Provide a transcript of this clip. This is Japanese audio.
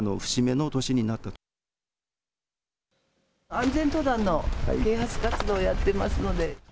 安全登山の啓発活動をやっていますので。